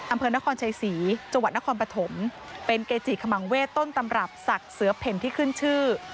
อำเภอนครชัยศรีจังหวัดนครปฐมเป็นเกจิขมังเวศต้นตำรับศักดิ์เสือเพ่นที่ขึ้นชื่อ